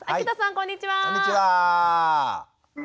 こんにちは。